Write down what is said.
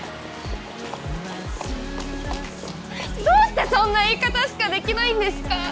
どうしてそんな言い方しかできないんですか？